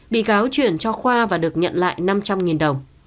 bị cáo chuyển cho khoa và được nhận lại năm trăm linh đồng